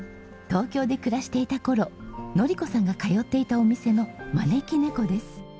東京で暮らしていた頃のり子さんが通っていたお店の招き猫です。